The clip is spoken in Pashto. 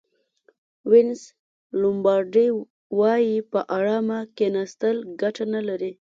وینس لومبارډي وایي په ارامه کېناستل ګټه نه لري.